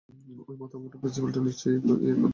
ঐ মাথামোটা প্রিন্সিপালটাও নিশ্চয়ই এই একই বুলি আওড়াচ্ছে।